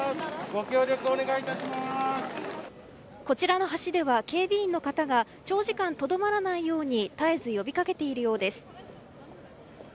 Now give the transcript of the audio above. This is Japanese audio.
こちらの橋では警備員の方が長時間とどまらないように絶えず呼びかけているようです。